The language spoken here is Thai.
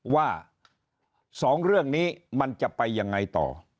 ว่า๒เรื่องนี้มันจะไปยังไงต่อ